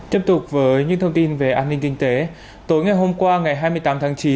tiếp tục với những thông tin về an ninh kinh tế tối ngày hôm qua ngày hai mươi tám tháng chín